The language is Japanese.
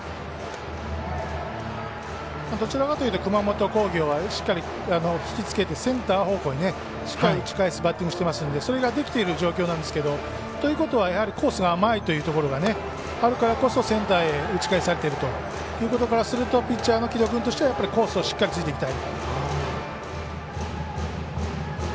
どちらかというと熊本工業はしっかり引き付けてセンター方向にしっかり打ち返すバッティングしてますのでそれができている状況なんですけどということは、やはりコースが甘いということがあるからこそセンターへ打ち返されているということからするとピッチャーの城戸君としてはコースをしっかりついていきたい。